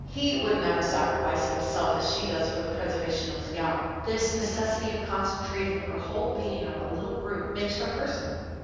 He would never sacrifice himself as she does for the preservation of the young! This necessity of concentrating her whole being on a little group makes her personal.